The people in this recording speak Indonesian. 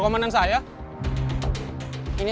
yang keren sekali ini